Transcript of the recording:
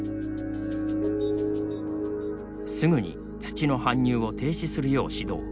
すぐに土の搬入を停止するよう指導。